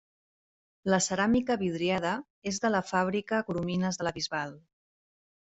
La ceràmica vidriada és de la fàbrica Coromines de la Bisbal.